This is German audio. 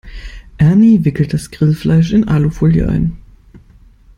Ernie wickelt das Grillfleisch in Alufolie ein.